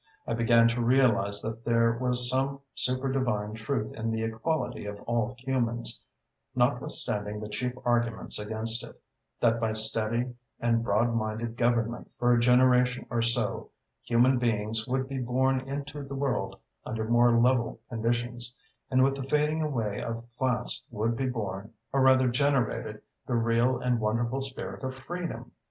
I began to realise that there was some super divine truth in the equality of all humans, notwithstanding the cheap arguments against it; that by steady and broad minded government for a generation or so, human beings would be born into the world under more level conditions; and with the fading away of class would be born or rather generated the real and wonderful spirit of freedom.